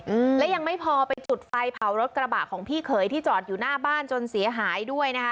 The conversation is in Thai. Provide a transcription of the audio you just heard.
อืมและยังไม่พอไปจุดไฟเผารถกระบะของพี่เขยที่จอดอยู่หน้าบ้านจนเสียหายด้วยนะคะ